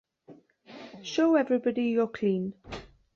Show everybody you're clean.